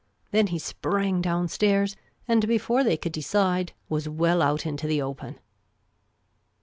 Then he sprang down stairs, and before they could decide was well out into the open.